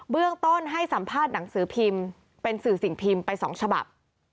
เรื่องต้นให้สัมภาษณ์หนังสือพิมพ์เป็นสื่อสิ่งพิมพ์ไป๒ฉบับ